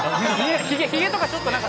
ひげとかちょっとなんか。